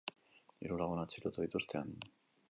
Hiru lagun atxilotu dituzte han.